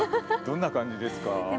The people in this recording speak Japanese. どんな感じですか？